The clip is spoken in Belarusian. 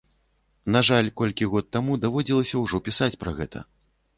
На жаль, колькі год таму даводзілася ўжо пісаць пра гэта.